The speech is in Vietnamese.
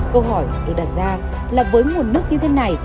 câu hỏi được đặt ra là với nguồn nước như thế này